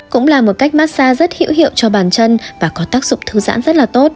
cũng là một cách massag rất hữu hiệu cho bản chân và có tác dụng thư giãn rất là tốt